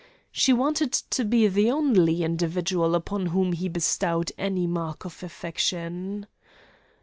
She wanted to be the only individual upon whom he bestowed any mark of affection.